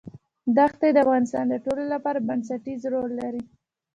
دښتې د افغانستان د ټولنې لپاره بنسټيز رول لري.